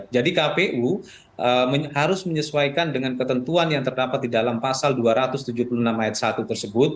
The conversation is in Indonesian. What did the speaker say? jadi kpu harus menyesuaikan dengan ketentuan yang terdapat di dalam pasal dua ratus tujuh puluh enam ayat satu tersebut